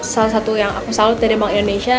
salah satu yang aku salut dari bank indonesia